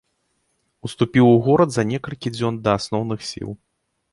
Уступіў у горад за некалькі дзён да асноўных сіл.